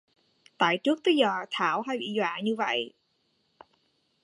tại trước tới giờ thảo hay bị dọa như vậy